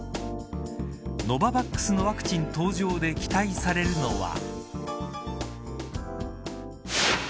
ノババックスのワクチン登場で期待されるのは。